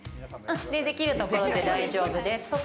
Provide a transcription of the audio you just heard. できるところで大丈夫です。